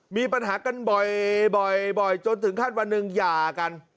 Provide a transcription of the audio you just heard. มีปัญหากันบ่อยจนถึงขั้นวันหนึ่งหย่ากัน